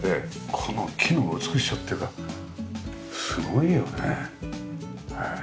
この木の美しさっていうかすごいよね。